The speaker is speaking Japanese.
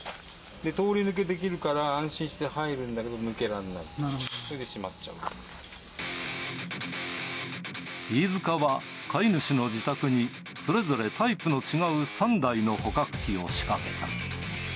通り抜けできるから安心して入るんだけど抜けらんない、それで閉飯塚は飼い主の自宅に、それぞれタイプの違う３代の捕獲機を仕掛けた。